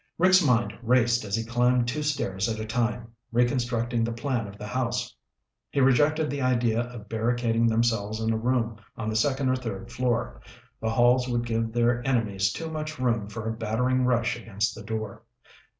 Rick's mind raced as he climbed two stairs at a time, reconstructing the plan of the house. He rejected the idea of barricading themselves in a room on the second or third floor; the halls would give their enemies too much room for a battering rush against the door.